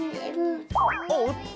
おっと！